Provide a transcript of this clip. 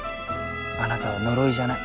あなたは呪いじゃない。